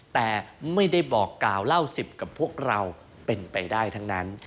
แต่ไม่ได้บอกกล่าวเล่าสิทธิ์กับพวกเราเป็นไปได้ทั้งนั้น